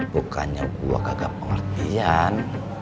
bukannya gua kagak pengertian